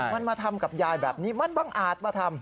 มันมาทำกับยายแบบนี้มันบังอาจมาทำ